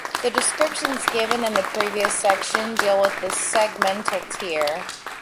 The descriptions given in the previous section deal with the segmental tier.